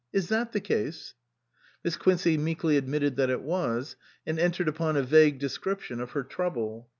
Is that the case ?" Miss Quincey meekly admitted that it was, and entered upon a vague description of her trouble.